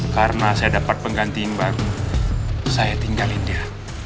karena saya dapat penggantiin baru saya tinggalin dia